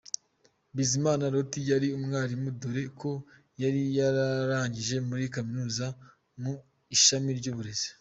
Bizimana Loti yari umwarimu dore ko yari yararangije muri Kaminuza mu ishami ry’uburezi.